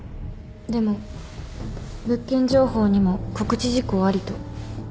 でも物件情報にも「告知事項あり」と。